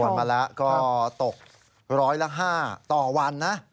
มาแล้วก็ตกร้อยละ๕ต่อวันนะ